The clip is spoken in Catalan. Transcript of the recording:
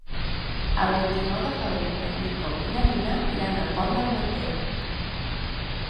El vint-i-nou de febrer en Nico i na Nina iran al Pont d'Armentera.